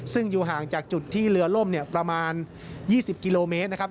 ซึ่งอยู่ห่างจากจุดที่เรือล่มประมาณ๒๐กิโลเมตรนะครับ